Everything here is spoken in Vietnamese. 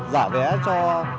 giả vé cho